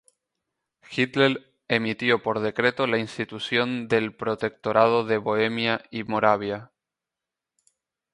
Hitler emitió por decreto la institución del Protectorado de Bohemia y Moravia.